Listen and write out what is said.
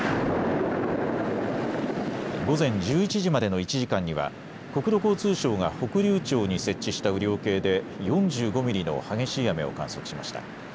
午前１１時までの１時間には国土交通省が北竜町に設置した雨量計で４５ミリの激しい雨を観測しました。